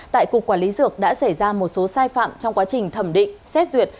tại cục quản lý dược đã xảy ra một số sai phạm trong quá trình thẩm định xét duyệt